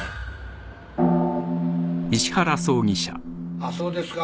あっそうですか。